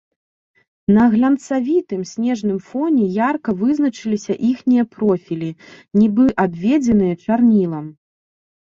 На глянцавітым снежным фоне ярка вызначыліся іхнія профілі, нібы абведзеныя чарнілам.